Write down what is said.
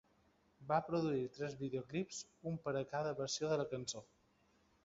Va produir tres videoclips, un per a cada versió de la cançó.